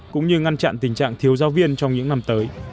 cũng như ngăn chặn tình trạng thiếu giáo viên trong những năm tới